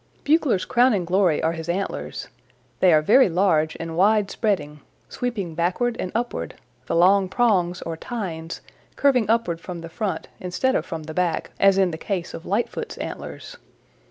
"Bugler's crowning glory are his antlers. They are very large and wide spreading, sweeping backward and upward, the long prongs, or tines, curving upward from the front instead of from the back, as in the case of Lightfoot's antlers.